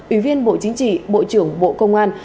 ủy viên bộ chính trị bộ trưởng bộ công an